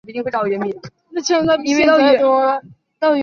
在阿尔泰乌梁海西北。